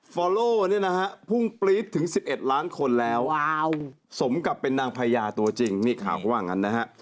ฟอลโล่เนี่ยนะฮะพุ่งปรี๊ดถึง๑๑ล้านคนแล้วสมกับเป็นนางพญาตัวจริงนี่ข่าวเขาว่างั้นนะฮะ